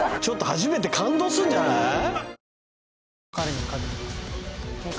ちょっと初めて感動すんじゃない？